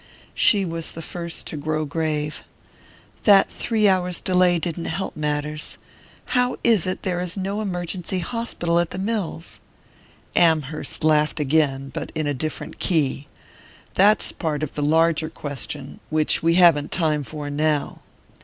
She was the first to grow grave. "That three hours' delay didn't help matters how is it there is no emergency hospital at the mills?" Amherst laughed again, but in a different key. "That's part of the larger question, which we haven't time for now."